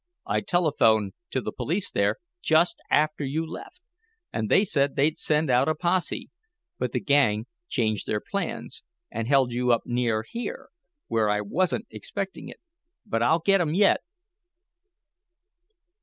I telephoned to the police there, just after you left, and they said they'd send out a posse. But the gang changed their plans; and held you up near here, where I wasn't expecting it. But I'll get 'em yet."